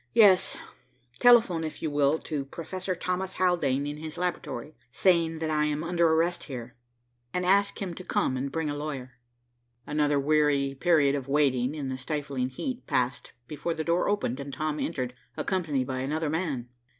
"Yes, telephone, if you will, to Professor Thomas Haldane at his laboratory, saying that I am under arrest here, and ask him to come and bring a lawyer." Another weary period of waiting in the stifling heat passed before the door opened and Tom entered, accompanied by another man.